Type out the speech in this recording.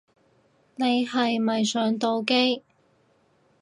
你係咪上到機